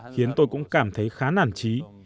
khiến tôi cũng cảm thấy khá nản trí